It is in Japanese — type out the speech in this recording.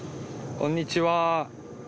こんにちは。